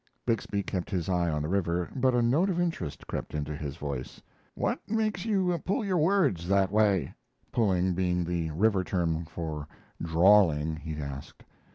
Bixby kept his eye on the river; but a note of interest crept into his voice. "What makes you pull your words that way?" ("pulling" being the river term for drawling), he asked.